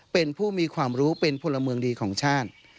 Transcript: เป็นผู้มีความรู้เป็นพลเมืองดีของชาติ